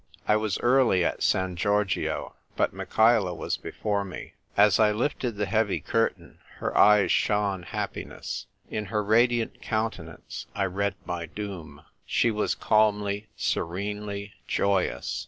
I was early at San Giorgio, but Michaela was before me. As I lifted the heavy curtain, her eyes shone happiness. In her radiant countenance I read my doom. She was calmly, serenely joyous.